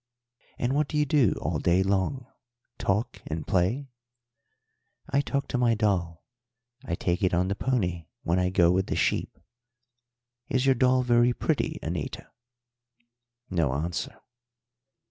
"And what do you do all day long talk and play?" "I talk to my doll; I take it on the pony when I go with the sheep." "Is your doll very pretty, Anita?" No answer.